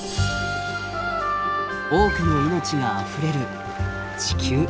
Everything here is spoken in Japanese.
多くの命があふれる地球。